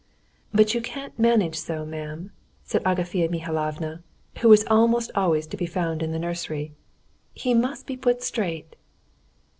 "But you can't manage so, ma'am," said Agafea Mihalovna, who was almost always to be found in the nursery. "He must be put straight.